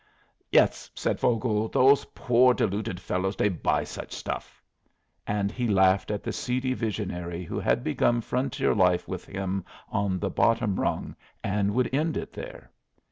"Yes," said Vogel. "Those poor, deluded fellows, they buy such stuff." And he laughed at the seedy visionary who had begun frontier life with him on the bottom rung and would end it there.